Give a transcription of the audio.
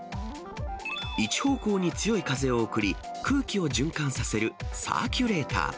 一方向に強い風を送り、空気を循環させるサーキュレーター。